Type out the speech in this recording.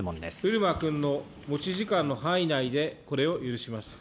漆間君の持ち時間の範囲内で、これを許します。